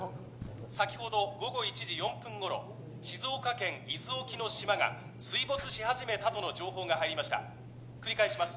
先ほど午後１時４分頃静岡県伊豆沖の島が水没し始めたとの情報が入りました繰り返します